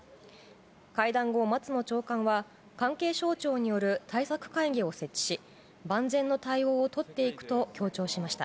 会談後、松野長官は関係省庁による対策会議を設置し万全の対応をとっていくと強調しました。